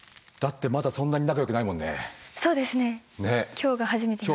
今日が初めてなんで。